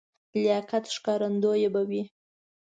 لیاقت ښکارندوی به وي.